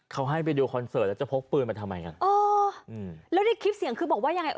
เขาให้ไปดูคอนเสิร์ตแล้วจะพกปืนมาทำไมอ่ะอ๋ออืมแล้วในคลิปเสียงคือบอกว่ายังไง